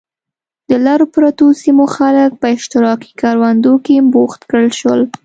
د لرو پرتو سیمو خلک په اشتراکي کروندو کې بوخت کړل شول.